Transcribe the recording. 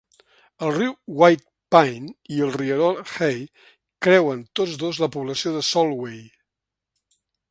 El riu White Pine i el rierol Hay creuen tots dos la població de Solway.